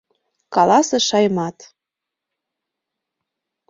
— каласыш Аймат.